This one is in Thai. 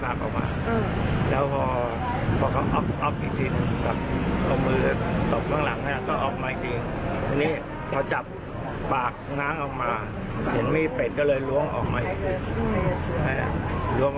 กลับเอามือเลยตบข้างหลังก็ออกมาจริงพอจับปากน้ำออกมาเห็นมีเต็ดก็เลยล้วงออกมาอีก